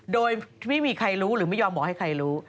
โดยไม่มีใครรู้หรือไม่ยอมบอกให้ใครรู้